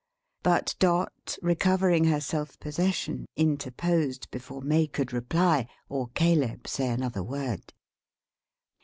But Dot, recovering her self possession, interposed, before May could reply, or Caleb say another word.